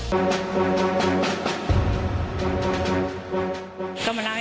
มันเป็นอาหารของพระราชา